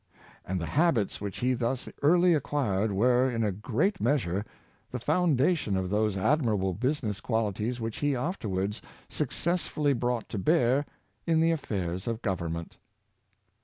And the habits which he thus early acquired were, in a great measure, the foundation of those admirable business qualities which he afterwards successfully brought to bear in the affairs of government.